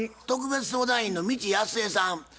特別相談員の未知やすえさん